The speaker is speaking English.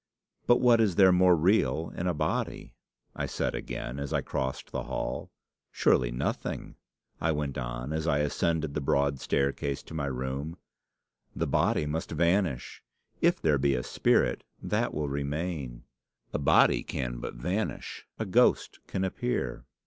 'But what is there more real in a body?' I said again, as I crossed the hall. 'Surely nothing,' I went on, as I ascended the broad staircase to my room. 'The body must vanish. If there be a spirit, that will remain. A body can but vanish. A ghost can appear.